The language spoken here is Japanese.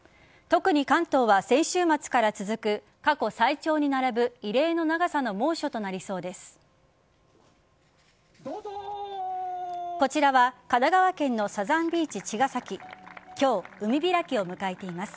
特に関東は先週末から続く過去最長に並ぶ異例の長さの猛暑となりそうです。